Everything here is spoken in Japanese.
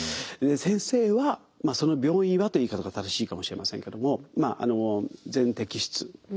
先生はその病院はと言い方が正しいかもしれませんけども全摘出。